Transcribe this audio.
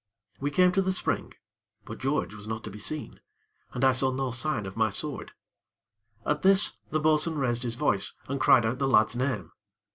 We came to the spring; but George was not to be seen, and I saw no sign of my sword. At this, the bo'sun raised his voice, and cried out the lad's name.